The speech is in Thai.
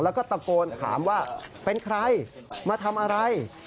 แล้วก็ตะโกนถามว่าเป็นใครมาทำอะไร